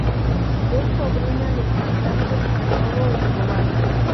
Es sobrina del cantante Manolo Escobar.